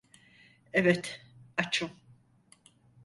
Evet, açım.